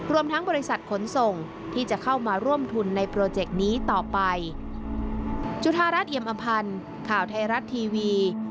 รวมทั้งบริษัทขนส่งที่จะเข้ามาร่วมทุนในโปรเจกต์นี้ต่อไป